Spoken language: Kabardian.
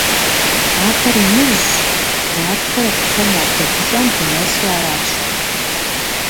Ахэр иныжьщ. Нартхэр абыхэм я блэгущӀэм дынэсу аращ.